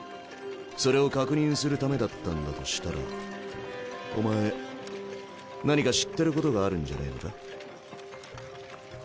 それを確認するためだったんだとしたらお前何か知ってることがあるんじゃねぇのか？